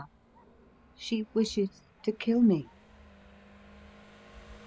•. She wishes to kill me."